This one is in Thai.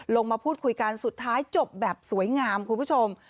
ลงมาพูดคุยกันสุดท้ายจบแบบสวยงามคุณผู้ชม